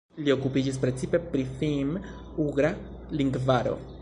Li okupiĝis precipe pri finn-ugra lingvaro.